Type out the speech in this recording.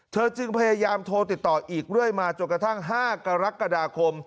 จึงพยายามโทรติดต่ออีกเรื่อยมาจนกระทั่ง๕กรกฎาคม